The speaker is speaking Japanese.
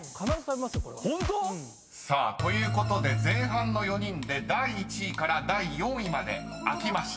ホント⁉［ということで前半の４人で第１位から第４位まで開きました］